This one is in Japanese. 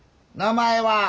名前は？